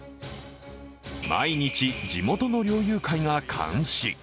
毎日、地元の猟友会が監視。